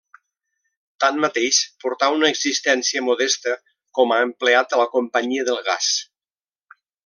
Tanmateix, portà una existència modesta com a empleat de la companyia del gas.